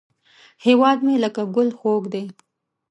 هیواد مې لکه ګل خوږ دی